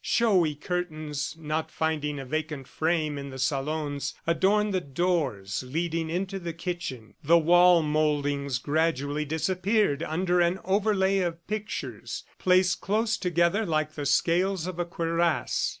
Showy curtains, not finding a vacant frame in the salons, adorned the doors leading into the kitchen. The wall mouldings gradually disappeared under an overlay of pictures, placed close together like the scales of a cuirass.